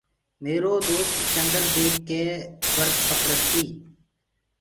ميرو دوست چندر ديک ڪي ورت پڪڙستي۔